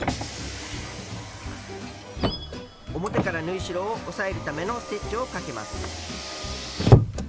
表から縫い代を押さえるためのステッチをかけます。